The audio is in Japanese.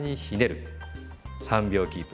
３秒キープ。